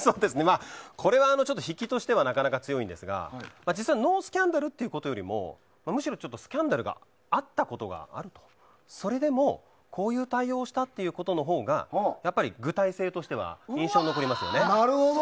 これは引きとしては弱いんですがノースキャンダルということよりも実はスキャンダルがあったことがあるとかそれでもこういう対応をしたということのほうが具体性としては印象に残りますよね。